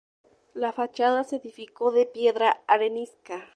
La fachada se edificó de piedra arenisca.